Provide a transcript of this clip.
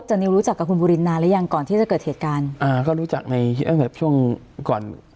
นิวรู้จักกับคุณบุรินนานหรือยังก่อนที่จะเกิดเหตุการณ์อ่าก็รู้จักในตั้งแต่ช่วงก่อน